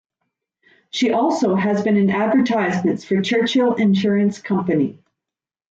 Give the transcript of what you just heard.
She has also been in advertisements for Churchill Insurance Company.